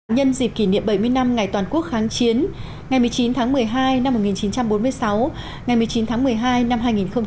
nhân dịp kỷ niệm bảy mươi năm ngày toàn quốc kháng chiến ngày một mươi chín tháng một mươi hai năm một nghìn chín trăm bốn mươi sáu ngày một mươi chín tháng một mươi hai năm hai nghìn một mươi chín